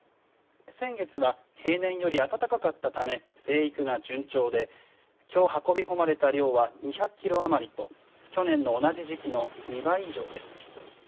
先月は平年より暖かかったため生育が順調できょう運び込まれた量は２００キロ余りと去年の同じ時期の２倍以上です。